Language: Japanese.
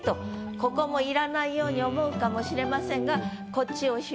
ここもいらないように思うかもしれませんが。